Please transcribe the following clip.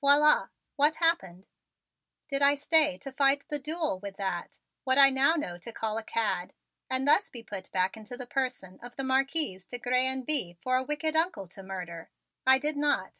Voila! What happened? Did I stay to fight the duel with that, what I know now to call a cad, and thus be put back into the person of the Marquise de Grez and Bye for a wicked Uncle to murder. I did not.